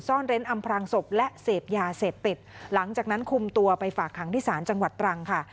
เร้นอำพรางศพและเสพยาเสพติดหลังจากนั้นคุมตัวไปฝากขังที่ศาลจังหวัดตรังค่ะ